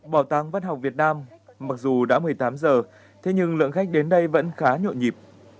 bảo tàng văn học việt nam mặc dù đã một mươi tám giờ thế nhưng lượng khách đến đây vẫn khá nhộn nhịp